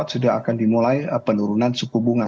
sudah akan dimulai penurunan suku bunga